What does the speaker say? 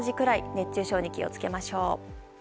熱中症に気を付けましょう。